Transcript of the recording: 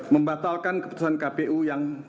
membatalkan keputusan kpu yang